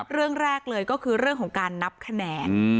เรื่องแรกเลยก็คือเรื่องของการนับคะแนน